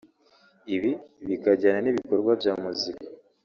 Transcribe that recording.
Ibi bikajyana n’ibikorwa bya muzika